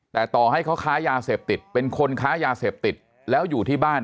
แต่ต่อให้เขาค้ายาเสพติดเป็นคนค้ายาเสพติดแล้วอยู่ที่บ้าน